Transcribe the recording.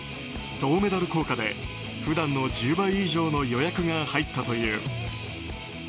銅メダル効果で普段の１０倍以上の予約が入ったという。